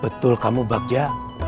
betul kamu bagja